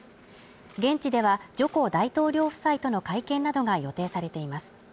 現地ではジョコ大統領夫妻との会見などが予定されています。